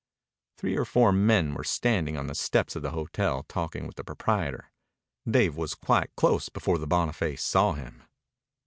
Three or four men were standing on the steps of the hotel talking with the proprietor. Dave was quite close before the Boniface saw him.